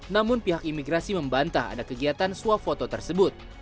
namun pihak imigrasi membantah ada kegiatan suah foto tersebut